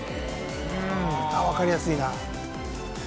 うんあっわかりやすいな。